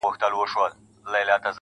ملا فتواء ورکړه ملا يو ښايست وواژه خو~